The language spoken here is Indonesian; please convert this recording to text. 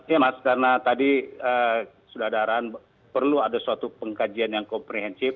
ya mas karena tadi sudadaran perlu ada suatu pengkajian yang komprehensif